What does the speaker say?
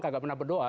kagak pernah berdoa